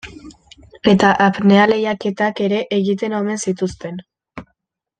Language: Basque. Eta apnea lehiaketak ere egiten omen zituzten.